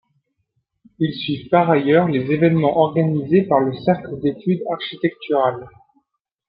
Ils suivent par ailleurs les événements organisés par le Cercle d’études architecturales.